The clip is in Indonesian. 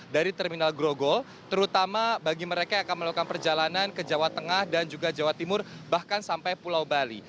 dari terminal grogol terutama bagi mereka yang akan melakukan perjalanan ke jawa tengah dan juga jawa timur bahkan sampai pulau bali